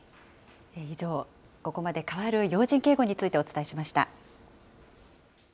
以上、ここまで、変わる要人警護についてお伝えしました。